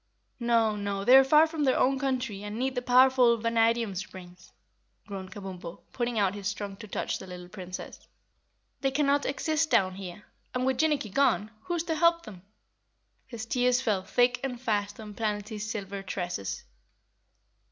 "No, no, they are far from their own country and need the powerful Vanadium springs," groaned Kabumpo, putting out his trunk to touch the little Princess. "They cannot exist down here. And with Jinnicky gone, who's to help them?" His tears fell thick and fast on Planetty's silver tresses.